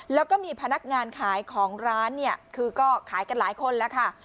แล้วก็มีพนักงานขายของร้านเนี่ยคือก็ขายกันหลายคนแล้วค่ะ